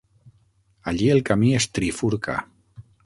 Allí el camí es trifurca.